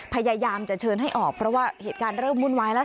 พยายามจะเชิญให้ออกเพราะว่าเหตุการณ์เริ่มวุ่นวายแล้ว